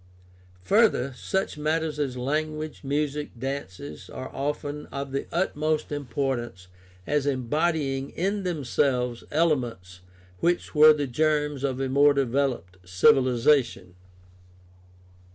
Further, such matters as language, music, dances, are often of the utmost importance as embodying in themselves elements which were the germs of a more developed civi lization.